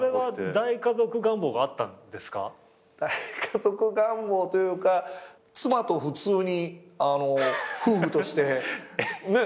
大家族願望というか妻と普通に夫婦としてねっ？